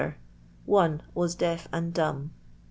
. 1 was deaf aqd dumb.